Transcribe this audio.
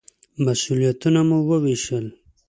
مسوولیتونه مو ووېشل.